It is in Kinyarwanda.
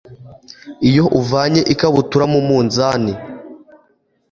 iyo uvanye ikabutura mu munzani